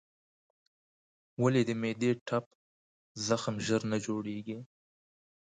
ولې د معدې ټپ زخم ژر نه جوړېږي؟